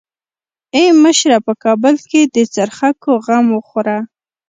ای مشره په کابل کې د څرخکو غم وخوره.